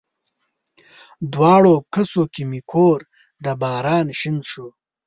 دواړو کسو کې مې کور د باران شین شو